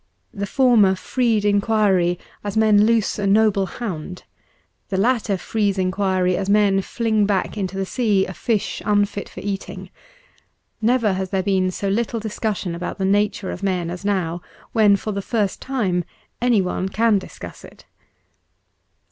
The former freed inquiry as men loose a noble hound ; the latter frees inquiry as men fling back into the sea a fish unfit for eating. Never has there been so little discussion about the nature of men as now, when, for the first time, anyone can discuss it.